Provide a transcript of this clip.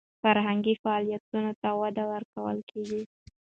فرهنګي فعالیتونو ته وده ورکول کیږي.